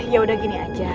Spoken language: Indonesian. ya udah gini aja